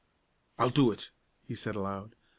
"I'll do it!" he said, aloud.